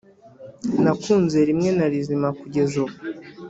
nakunze rimwe na rizima kugeza ubu